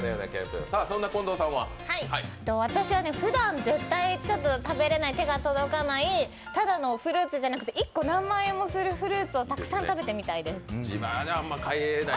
私はふだん絶対食べれない手が届かないただのフルーツじゃなくて、１個何万円もするフルーツをたくさん食べてみたいです。